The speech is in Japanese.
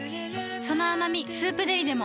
その甘み「スープデリ」でも